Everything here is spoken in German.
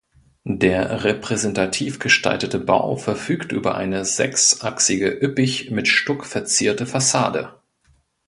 Der repräsentativ gestaltete Bau verfügt über eine sechsachsige üppig mit Stuck verzierte Fassade.